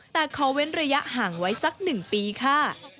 แต่ขอเว้นระยะห่างไว้สัก๑ปีค่ะ